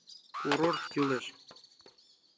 Курорт кӱлеш!